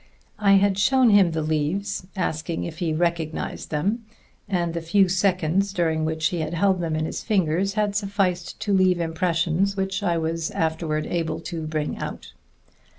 I had shown him the leaves, asking if he recognized them; and the few seconds during which he had held them in his fingers had sufficed to leave impressions which I was afterward able to bring out.